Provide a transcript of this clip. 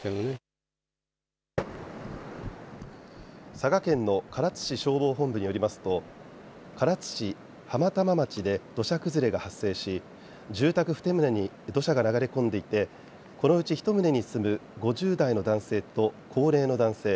佐賀県の唐津市消防本部によりますと唐津市浜玉町で土砂崩れが発生し住宅２棟に土砂が流れ込んでいてこのうち１棟に住む５０代の男性と高齢の男性